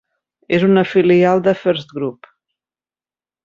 És una filial de FirstGroup.